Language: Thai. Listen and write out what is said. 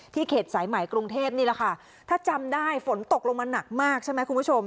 เขตสายใหม่กรุงเทพนี่แหละค่ะถ้าจำได้ฝนตกลงมาหนักมากใช่ไหมคุณผู้ชม